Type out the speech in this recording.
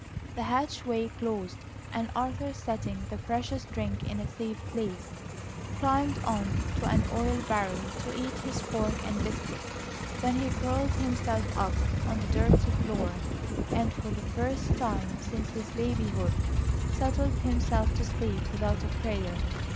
The hatchway closed, and Arthur, setting the precious "drink" in a safe place, climbed on to an oil barrel to eat his pork and biscuit. Then he curled himself up on the dirty floor; and, for the first time since his babyhood, settled himself to sleep without a prayer.